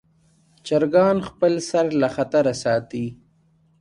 چرګان خپل سر له خطره ساتي.